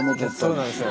そうなんですよ。